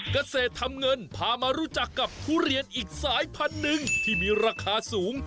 เกษตรทำเงินพามารู้จักกับทุเรียนอีกสายพันธุ์หนึ่งที่มีราคาสูง